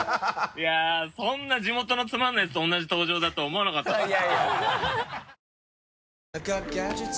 いやそんな地元のつまんないやつと同じ登場だとは思わなかったからさ。